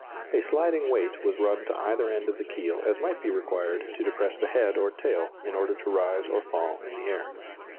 A sliding weight was run to either end of the keel as might be required to depress the head or tail, in order to rise or fall in the air.